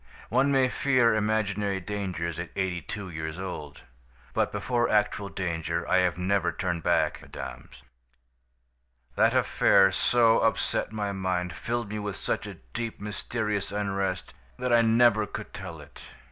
One may fear imaginary dangers at eighty two years old. But before actual danger I have never turned back, mesdames. "That affair so upset my mind, filled me with such a deep, mysterious unrest that I never could tell it.